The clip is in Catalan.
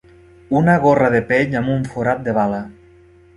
Una gorra de pell amb un forat de bala